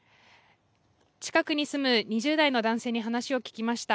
近くに住む２０代の男性に話を聞きました。